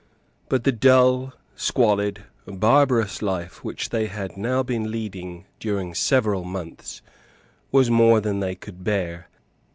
But the dull, squalid, barbarous life, which they had now been leading during several months, was more than they could bear.